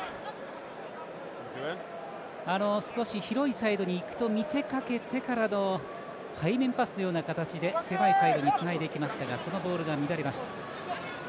広いサイドにいくと見せかけてからの背面パスのような形で狭いサイドにつないでいきましたがそのボールが乱れました。